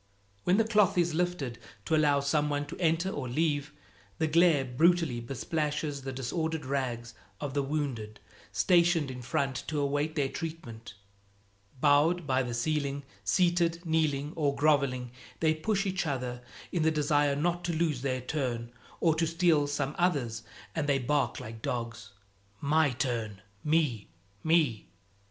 When the cloth is lifted to allow some one to enter or leave, the glare brutally besplashes the disordered rags of the wounded stationed in front to await their treatment. Bowed by the ceiling, seated, kneeling or groveling, they push each other in the desire not to lose their turn or to steal some other's, and they bark like dogs, "My turn!" "Me!" "Me!"